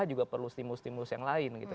juga perlu stimulus stimulus yang lain gitu